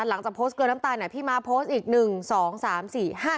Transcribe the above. หลังจากโพสต์เกลือน้ำตาลอ่ะพี่ม้าโพสต์อีกหนึ่งสองสามสี่ห้า